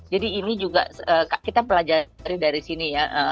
jadi ini juga kita pelajari dari sini ya